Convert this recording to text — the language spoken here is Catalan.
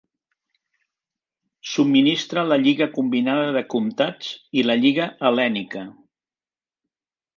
Subministra la Lliga Combinada de Comtats i la Lliga Hel·lènica.